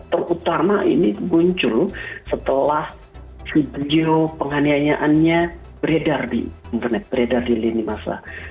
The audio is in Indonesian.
terutama ini muncul setelah video penganiayaannya beredar di internet beredar di lini masa